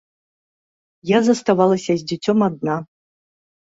Я заставалася з дзіцём адна.